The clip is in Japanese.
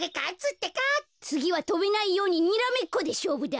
つぎはとべないようににらめっこでしょうぶだ。